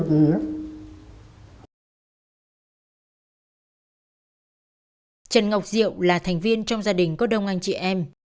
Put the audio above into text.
trần ngọc diệu là thành viên trong gia đình có đông anh chị em